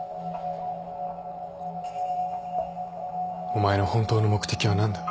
お前の本当の目的は何だ。